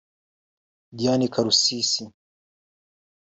Diane Karusisi